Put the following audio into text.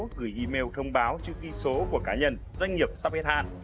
gửi email thông báo chữ ký số của cá nhân doanh nghiệp sắp hết hạn